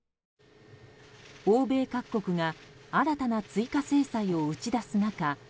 欧米各国が新たな追加制裁を打ち出す中